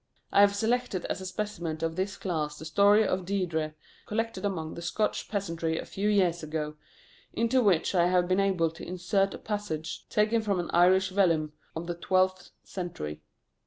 I have selected as a specimen of this class the Story of Deirdre, collected among the Scotch peasantry a few years ago, into which I have been able to insert a passage taken from an Irish vellum of the twelfth century.